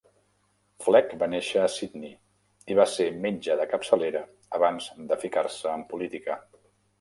Flegg va néixer a Sydney i va ser metge de capçalera abans de ficar-se en política.